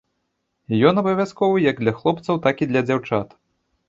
Ён абавязковы як для хлопцаў, так і для дзяўчат.